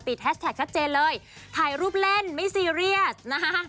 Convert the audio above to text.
แฮชแท็กชัดเจนเลยถ่ายรูปเล่นไม่ซีเรียสนะคะ